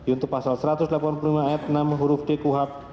untuk pasal satu ratus delapan puluh lima ayat enam huruf d kuhap